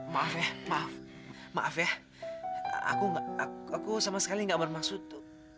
maaf ya aku sama sekali gak bermaksud